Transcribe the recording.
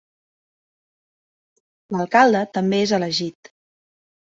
L'alcalde també és elegit.